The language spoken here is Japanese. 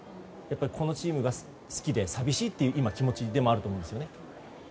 このチームが好きで寂しいという気持ちでも今、あると思うんですよね。